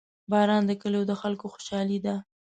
• باران د کلیو د خلکو خوشحالي ده.